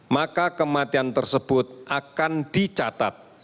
maka kematian tersebut akan dicatat